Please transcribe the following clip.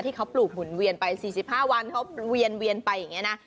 ที่เขาปลูกหมุนเวียนไป๔๕วันเขาเวียนไปอย่างนี้นะ